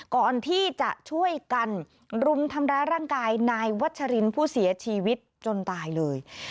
ก่อนที่จะช่วยกันรุมทำร้ายร่างกายนายวัชรินผู้เสียชีวิตจนตายเลย